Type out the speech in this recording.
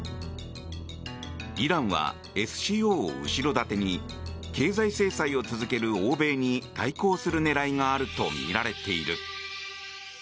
イランはＳＣＯを後ろ盾に経済制裁を続ける欧米に対抗する狙いがあるとみられている。